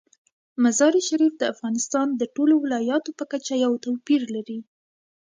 مزارشریف د افغانستان د ټولو ولایاتو په کچه یو توپیر لري.